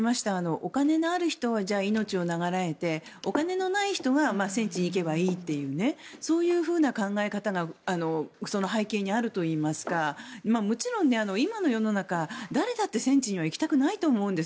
お金のある人は命を永らえてお金のない人は戦地に行けばいいというそういうふうな考え方がその背景にあるといいますかもちろん今の世の中誰だって戦地には行きたくないと思うんです。